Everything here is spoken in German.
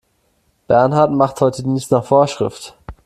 Bernhard macht heute Dienst nach Vorschrift.